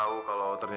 aku mau berhenti